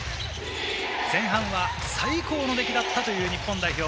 前半は最高の出来だったという日本代表。